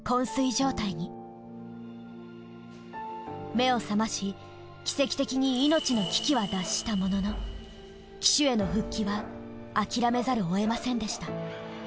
目を覚まし奇跡的に命の危機は脱したものの騎手への復帰は諦めざるを得ませんでした。